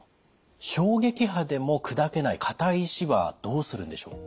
衝撃波でも砕けない硬い石はどうするんでしょう？